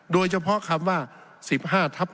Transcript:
โดยเฉพาะคำว่า๑๕ทับ